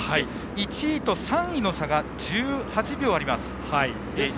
１位と３位の差が１８秒あります。